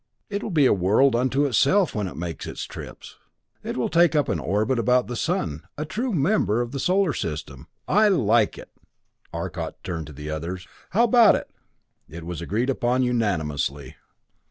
It will be a world unto itself when it makes its trips it will take up an orbit about the sun a true member of the solar system. I like it!" Arcot turned to the others. "How about it?" It was agreed upon unanimously.